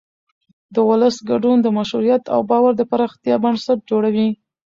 د ولس ګډون د مشروعیت او باور د پراختیا بنسټ جوړوي